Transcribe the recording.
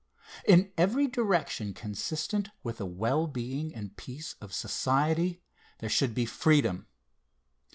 In every direction consistent with the well being and peace of society, there should be freedom.